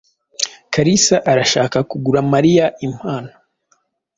Kalisa arashaka kugura Mariya impano.